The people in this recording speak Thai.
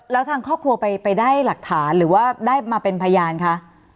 แล้วทางครอบครัวไปได้หลักฐานหรือว่าได้มาเป็นพยานคะ